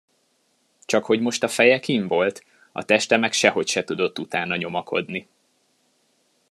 Csakhogy most a feje kinn volt, a teste meg sehogy se tudott utána nyomakodni.